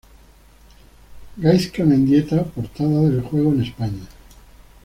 Gaizka Mendieta portada del juego en España.